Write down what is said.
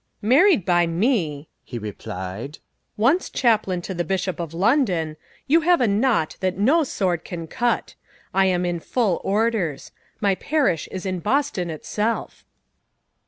"Married by me," he replied, "once chaplain to the Bishop of London, you have a knot that no sword can cut. I am in full orders. My parish is in Boston itself."